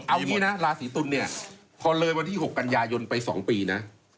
เอางี้นะราศีตุลเนี่ยพอเลยวันที่๖กันยายนไป๒ปีนะ